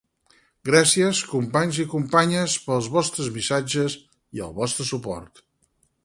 Gràcies, companys i companyes, pels vostres missatges i el vostre suport!